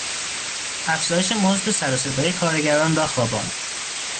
افزایش مزد سروصدای کارگران را خواباند.